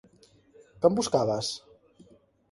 Que em buscaves?